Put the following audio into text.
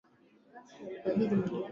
yaya amekuja